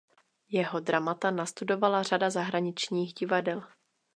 Jeho dramata nastudovala řada zahraničních divadel.